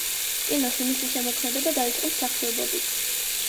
კინოში მისი შემოქმედება დაიწყო მსახიობობით.